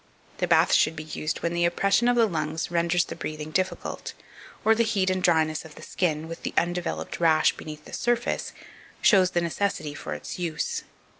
The bath should be used when the oppression of the lungs renders the breathing difficult, or the heat and dryness of the skin, with the undeveloped rash beneath the surface, shows the necessity for its use.